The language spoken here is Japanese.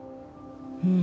うん。